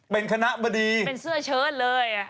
เป็นคณะบดีเป็นเสื้อเชิดเลย